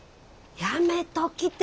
やめときて。